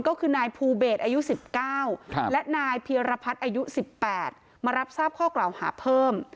ก็คือนายภูเบสอายุ๑๙และนายเพียรพัฒน์อายุ๑๘มารับทราบข้อกล่าวหาเพิ่ม